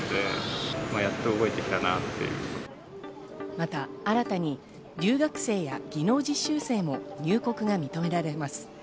また新たに留学生や技能実習生も入国が認められます。